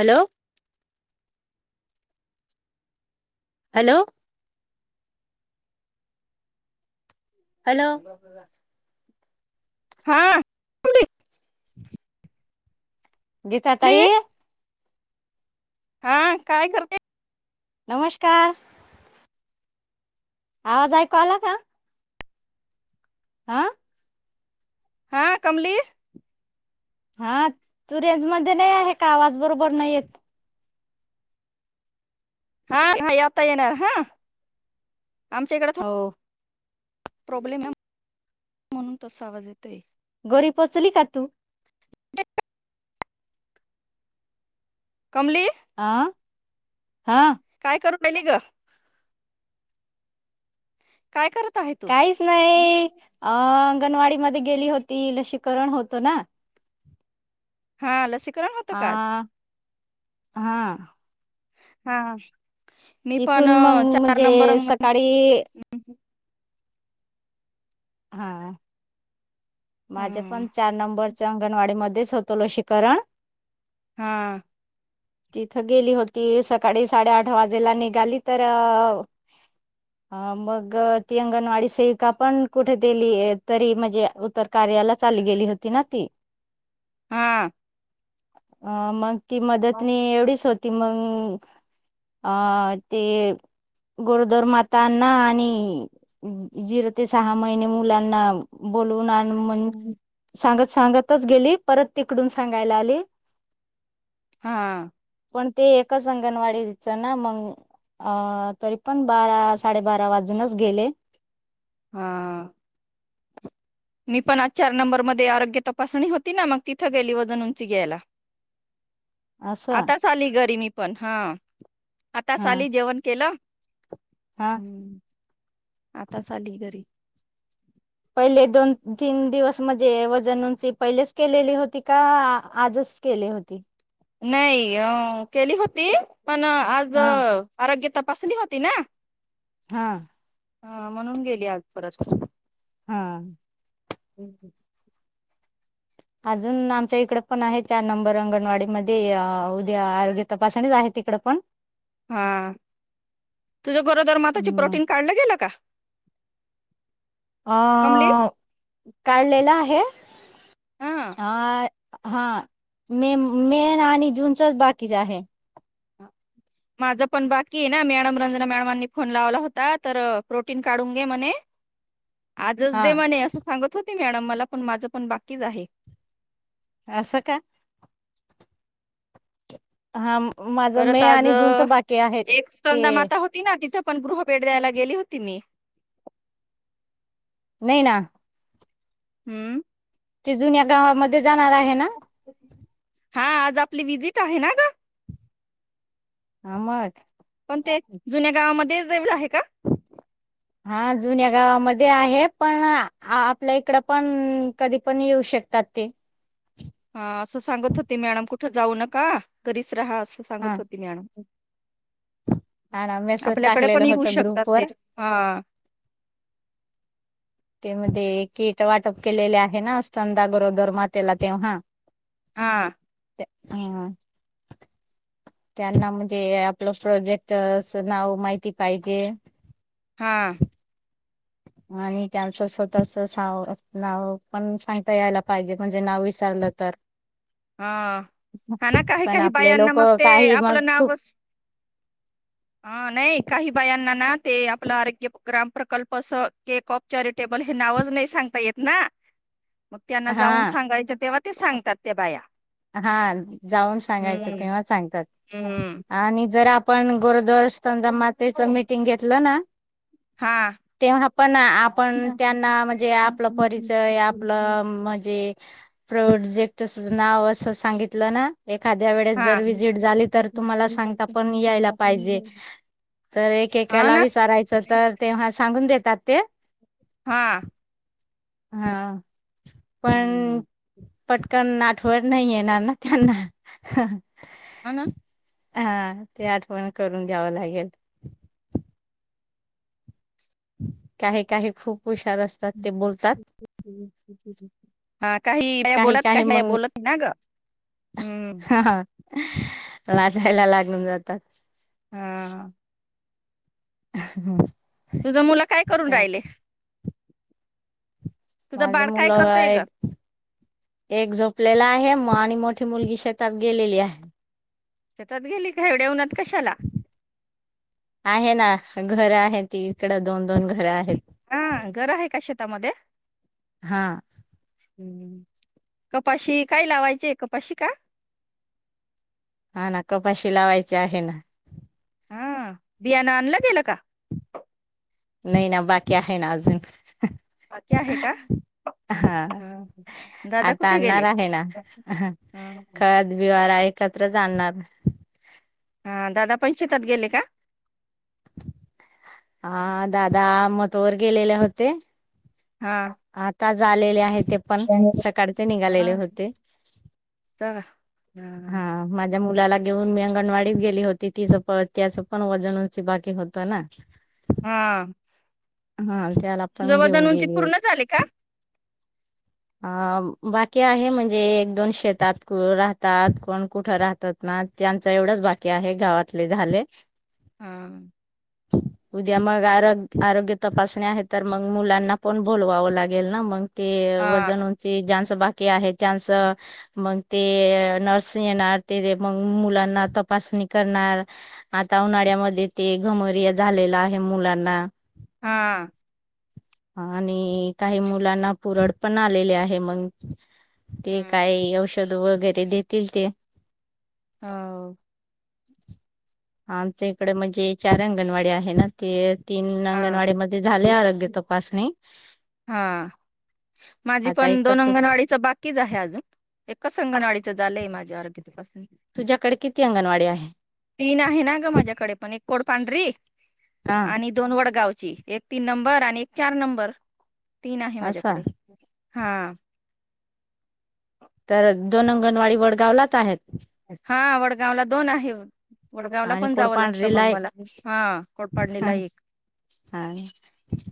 Hello hello hello [inaudible] हा गीता कमली ताई हा काय करतेय नमस्कार आवाज ऐकू आला का आा हा कमलीर हा तू रेंज मध्ये नाही आहे का आवाज बरोबर नाही येत हा आता येणार हा आमच्या इकडंथोड हो प्रॉब्लेम आहे म्हणून तसा आवाज येतोय घरी पोचली का तू कमलेश आ हा काय करू राहिली ग काय करत आहे तू काहीच नाही अ अंगणवाडी मध्ये गेली होती लसीकरण होतं ना हा लसी करण होतं आ का आज हा हा मी पण तिथून मग अ, चार म्हणजे नंबर अंग- सकाळी हा माझ्या हा पण, चार नंबरच्या अंगणवाडी मध्ये होतं, लसीकरण हा तिथं गेली होती. सकाळी साडेआठ वाजेला निघाली. तर अ मग ती अंगणवाडी सेविका पण, कुठे दिली, तरी म्हणजे उतर कार्याला चाली गेली होती. ना ती हम आ मग, ती मदत नी एवढीच होती. ती मग ते, गरोदर मातांना आणि सहा महिने मुलांना बोलवणार, [unintelligible] सांगतच गेली, परत तिकडून सांगायला आली. हा पण ते, एक अंगणवाडीच ना मग अ तरी पण, बारा साडेबारा वाजूनच गेले. हा मी पण, आज चार नंबर मध्ये आरोग्य तपासणी होती. ना मग तिथं गेली, वजन उंची घ्यायला. असं आताच आली, घरी मी पण हा आत्ताच हा आली, जेवण केलं. हा हम्म आताच आली, घरी गेले दोन, तीन दिवस म्हणजे वजन उंची पहिलेच केलेली होती. का आजच केली होती. नाही. अ केली होती. पण आज हा आरोग्य, तपासणी होती. ना, हा, हा म्हणून गेली, आज परत. हा, हम हम अजून आमच्या इकड पण आहे. चार नंबर अंगणवाडी मध्ये उद्या आरोग्य तपासणीच आहे. तिकड पण, हा तुझ्या गरोदर माताची हम्म प्रोटीन काढलं गेलं का? अ कमली काढलेला आहे. हा अ हा, मे, मे आणि जूनचच बाकीच आहे. माझं पण बाकी आहे. ना मॅडम रंजना मॅडमांनी फोन लावला होता. तर प्रोटीन काढून घे म्हणे, आजच हा दे म्हणे, असं सांगत होती. मॅडम, मला पण माझ पण बाकीच आहे. असं का, हा, माझं परत, मे आज आणि जूनच बाकी आहे एक ते स्तनदा माता होती. ना तिथं, पण गृहभेट द्यायला गेली होती. मी व्हय ना. हम्म ते जुन्या गावामध्ये. जाणार आहे ना! हा, आज आपली विजिट आहे ना ग! आमट. तें जुन्या गावामध्ये जमीन आहे कां? हा जुन्या गावामध्ये आहे. पण.. आ.. आपल्या इकड पण कधी पण येऊ शक टेकतात तें. हा असं सांगत होते, मॅडम कुठे जाऊ नका. घरीचं [unintelligible] असं हा संगत होती मॅडम. हा ना मेसेज आपल्याकडे पण टाकलेलं येऊ होतं शकतात ग्रुप ते. वर हा. तें किट वाटप केलेले आहे ना, स्तनदा गरोदर मातेला, तें हा. हा. हम्. त्यांना म्हणजे आपलं प्रोजेक्ट चं नाव माहिती पाहिजे. हा. आणि त्यांचं स्वतःच नाव पण सांगता यायला पाहिजे म्हणजे नाव विचारलं तर.. हा हा ना काही पण काही आपले बायांना लोक मग ते काही मग आपलं खूप नाव स ह नाही काही बायांना ना ते आपलं आरोग्य ग्राम प्रकल्प अस कॉप चॅरिटेबल हे नावच नाही सांगता येत ना. मग त्यांना हा जाऊन सांगायच तें ते सांगतात त्या बाया. हा जाऊन सांगायचं हम्म तेव्हा सांगतात. हम्म आणि जर पण गरोदर त मातेच मिटिंग घेतलं न.. हा तेव्हा पण आपण त्यांना म्हणजे आपलं परिचय आपलं म्हजे.... [unintelligible] स सांगितलं ना. एखाद्या वेळेस हा जर वि्हजिट झाली तर तुम्हाला सांगता पण यायला पाहिजे. तर हा ना एकेकाला विचारायचं तर तेव्हा सांगून देत ता. तें. हा. हा. पण हम्म. पटकन ना ठवण नाहीं येणार ना त्यांना. हाना. हा, ते आठवण करून द्यावं लागेल. काही काही खूप हुशार असतात ते बोलतात हा काही बोलत काही बोलत ना ग हम् लाचयला लागली आता हा हम् तुझ मुलं काय करून राहिल माझ काय मुलं करतोय ग? एक एक झोपलेला आहे आणि मोठी मुलगी शेतात गेलेली आहे शेतात गेली का एवढ्या उनात कशाला घरं आहेत ती इकड दोन दोन घरं आहेत शेता मध्ये हा हम् कपाशी काय लावायची कपाशी का हा ना कपाशी लावायची आहे ना हा बियाणं आणलं गेलं का नाही ना बाकी्या आहे नाजून बाकी आहे का हा दादा आता कुठे आणणार गेले आहे ना ह एकत्र जाणणार हा दादा पंचेतात गेले का हा दादा मदोहर गेलेले होते हा झालेले आहेत ते पण सकाळचे निघालेले हा. होते चला. हा माझ्या मुलाला घेऊन मी अंगणवाडीत गेली होती तिचं प त्याचं पण वजनची बाकी होत ना हा हा त्याला पण तुझवळदण घेऊन उंची गेली पूर्ण होती झाले का अ बाकी्य आहे म्हणजे एक दोन शेतात राहतात कोण कुठं राहतात ना त्यांचं एवढंच बाकी्य आहे गावातले झाले हा उद्या मग आ आरोग्य तपासणी आहे तर मग मुलांना पण बोलवावं लागेल ना मग ते व हां, ची जनसभ आहे त्यांच मग ते नर्स येणार ते मग मुलांना तपासणी करणार आता उन्हाळ्यामध्ये ते घमरिया झालेलं आहे मुलांना हा आणि काही मुलांना पुरड पण आलेले आहे मग ते हं. काय औषध वगैरे देतील ते हा आमच्या इकड म्हणजे चार अंगणवाडी आहे ना. ते तीन हां. अंगणवाडी मध्ये झाले आरोग्य तपासणी. हा माझी आता पण दोन एकच अंगणवाडीच बाकीच आहे अजून एकच अंगणवाडीच झालंय माझ्यावोरगीत तुझ्याकडे किती अंगणवाडी आहे तीन आहे ना ग माझ्याकडे पण एक कोडपांढरी हा आणि दोन वडगावची एक तीन नंबर, आणि एक चार नंबर. तीन आहे असा माझ्याकडे. हा तर दोन अंगणवाडी वडगावलाच आहेत. हा वडगावला दोन आहे वडगावला आणि पण जावं लागत कोडपांढरीला मग मला एक हा हा कोडपाडणीला एक आणि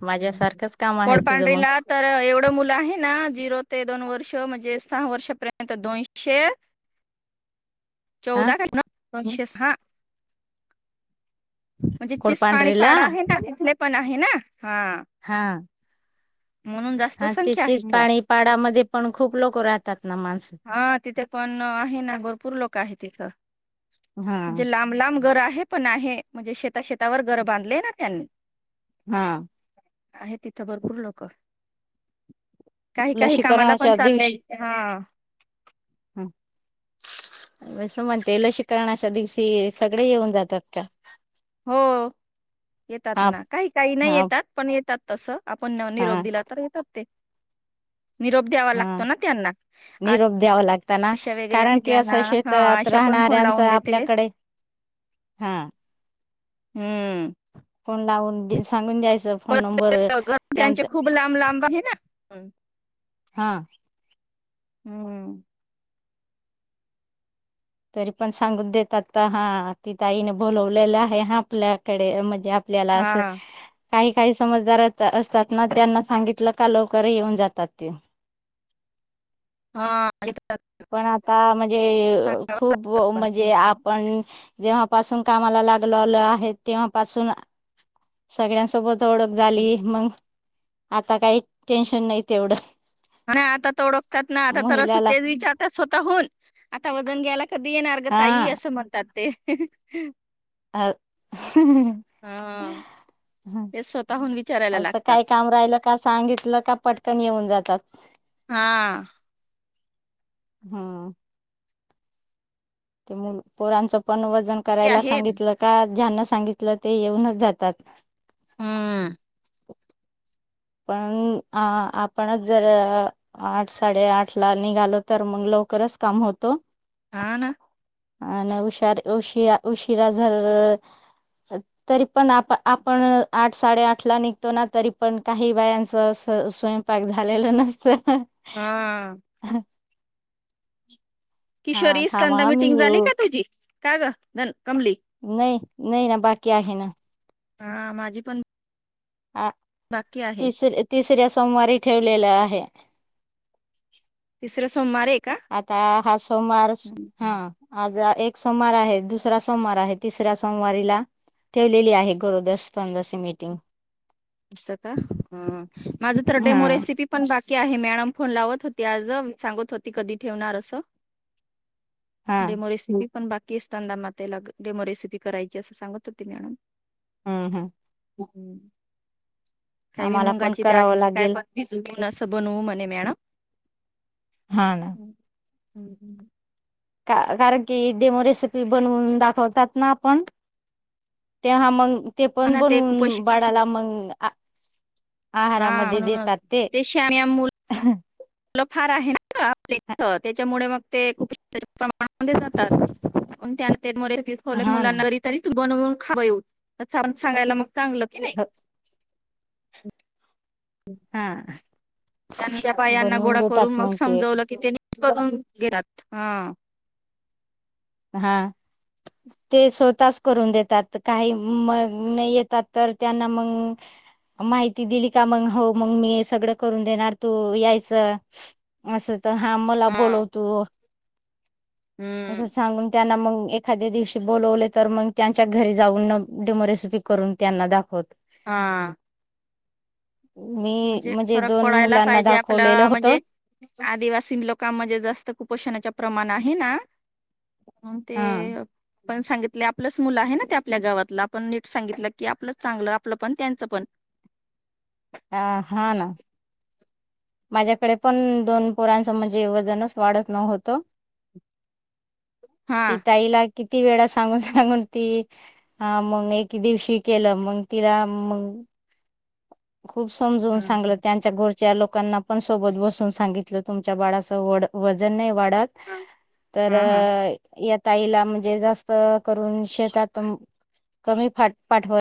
माझ्यासारखंच काम आहे तुझं मग कोडपांढरीला तर एवढं मुलं आहे ना जिरो ते दोन वर्ष म्हणजे सहा वर्षापर्यंत दोनशे हा चौदा दोनशे सहा म्हणजे कोडपांढरीला चिसपाणीपाडा आहे ना तिथले पण आहे. आहे ना. हा हा म्हणून जास्त हा त्या संख्या आहे इथं चीचपाणी पाडामध्ये पण खूप लोक राहतात. ना माणसं हा तिथे पण आहे ना भरपूर लोक आहेत तिथं हा म्हणजे लांब लांब घर आहे. पण आहे म्हणजे शेता शेतावर घरं बांधले ना त्यांनी. हा आहे तिथं भरपूर लोक. काही काही कामाला पण चाललंय. हा ह बसं म्हणते लसीकरणाच्या दिवशी सगळे येऊन जातात का? हो येतात हा ना काही काही नाही हा येतात. पण येतात. तसं आपण न हा निरोप दिला तर येतात ते. निरोप द्यावा हा लागतो ना त्यांना. निरोप द्यावा आशा वगैरे कारण आहे की त्यांना असं हा शेतात आशा पण फोन राहणाऱ्यांच लावून देते आपल्याकडे हा हम्म फोन लावून दे सांगून दे पर घर त्यांचे खूप लांब लांब आहे ना. हम [unintelligible] हा हम्म [unintelligible] तरी पण सांगून देतात हा ताईने बोलवलेलं आहे हा आपल्याकडे म्हणजे.. आपल्याला असं.. हा काही काही समजदार असतात ना त्यांना सांगितलं का लवकर येऊन जातात ते... हा आणि... पण आता म्हण खूप म्हणजे आपण जेव्हा... पासून कामाला लागलालो आहे तेव्हा पासून सगळ्यांसोबत... ओळख झाली मग... आता काही टेन्शन नाही तेवढं.. आणि आता तर ओळखतात ना आता तर अस महिलाला तेच विचार स्वतः होऊन आता वजन घ्यायला... कधी येणार ग ताई असं म्हणतात ते... न [unintelligible] अ हा ते स्वतःहून विचारायला असं काय लागतात. काम राहिल का सांगितलं का पटकन येऊन जात... तात.. हा.. हम... ते मु पोरांचं पण व.. ते करायला आहेत सांगितलं का ज्यांना सांगितलं ते येऊनच जातात. हम्म पण अ आपणच जर आठ साडेआठ ला निघालो तर मग लवकरच काम होतो. हा ना. आन उशार उशिरा उशिरा जर अ तरी पण आप आपण आठ साडेआठ ला निघतो ना तरी पण- काही बायांचं स्व स्वयंपाक झालेलं नसतं. हा. [unintelligible] हा किशोरी थांबा स्तंद हा मी मिटिंग झाली येऊ का तुझी? काय ग झा न. नाही. नाही ना बाकी आहे ना. हा माझी पण. बाकी आहे तिस तिसऱ्या सोमवारी ठेवलेलं आहे. तिसर्या सोमवार ए. आता हा सोमवार स हम्म आज - एक सोमवार आहे दुसरा सोमवार आहे तिसऱ्या सोमवारीला ठेवलेली आहे. [unintelligible] मिटिंग अस का ह माझ तर हा डेमो रेसिपी पण बाकी आहे मॅडम. फोन लावत होती आज, सांगत होती कधी ठेवणार असं. हा डेमो रेसेपी? पण बाकी [unintelligible] मातेला डेमो रेसिपी करायची असं सांगत होती मॅडम. हम्म हम्म. [unintelligible] काय बी आम्हाला पण मुंगाची करावं डाळींची काय लागेल पण भिजून घेवूनच. बनवू म्हणे मॅडम. हा ना. हम्म हम्म. का कारण की देम रेसिपी बनवून दाखवतात ना आपण तेव्हा मग- ते हा पण ना ते खूप बनवून बाळाला मग आ- हा म्हणून ते श्याना मुल- मूल फार आहे. [unintelligible] त्याच्यामुळे मग- हा ना [unintelligible] [unintelligible] बनवून खावां येऊ [unintelligible] सांगायला मग चांगलं की नाही? हा त्यां त्या पायांना बनवून गोळा करून देतात मग ते समजवलं. की त्यांनी गात हा हा ते स्वतःच करून देतात काही मग येतात तर त्यांना मग माहिती दिली का मग हो मग मी सगळं करून देणार तू यायचं अस तर हा मला हा बोलवतो. असं हम्म सांगून त्यांना मग एखाद्या दिवशी बोलवले तर मग त्यांच्या घरी जाऊन न डेमो रेसिपी करून त्यांना दाखवत. हा मी म्हणजे फरक दोन पडायला मुलांना पाहिजे दाखवलेलं आपल्या होतं म्हणजे आदिवासी लोकांमध्ये जास्त कुपोषणाच्या प्रमाण आहे ना ते हा पण सांगितले आपलंच मुलं आहे ना ते आपल्या गावातलं आपण नीट सांगितलं की आपलंच चांगलं आपलं पण त्यांच पण अ हा ना माझ्याकडे पण दोन पोराचं म्हणजे वजनच वाढत नोव्हतं ती हा. ताई ला किती वेळा सांगून सांगून ती अ मंग एक दिवशी केलं मंग तिला मंग खूप समजवून हा. सांगलं त्यांच्या गोष्ट त्या लोकांना पण सोबत बसून सांगितलं तुमच्या बाळाचं वढ वजन नाही वाढ तर हा हा. ह्यात ताईला म्हणजे जास्त करून शेतात कमी पाठवत